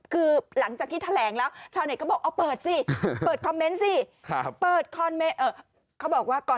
คือหลังจากที่แท้แหลงแล้วชาวเน็ตก็บอก